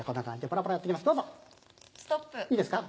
いいですか？